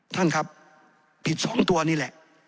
ท่านครับผิด๒ตัวนี่แหละ